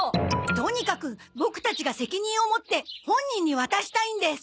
とにかくボクたちが責任を持って本人に渡したいんです。